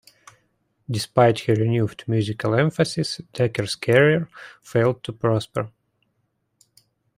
Despite her renewed musical emphasis, Deckers' career failed to prosper.